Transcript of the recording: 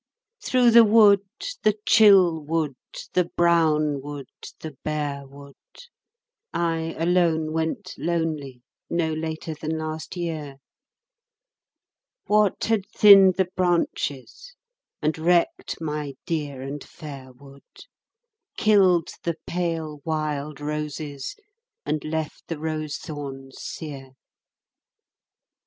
Through the wood, the chill wood, the brown wood, the bare wood, I alone went lonely no later than last year, What had thinned the branches, and wrecked my dear and fair wood, Killed the pale wild roses and left the rose thorns sere